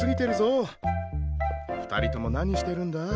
２人とも何してるんだ？